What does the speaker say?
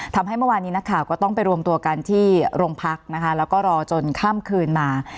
ทำให้เมื่อวานนี้นักข่าวก็ต้องไปรวมตัวกันที่โรงพักนะคะแล้วก็รอจนข้ามคืนมา